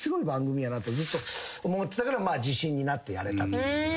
ずっと思ってたから自信になってやれたと。